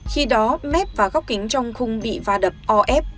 khi đó mép và góc kính trong khung bị va đập o ép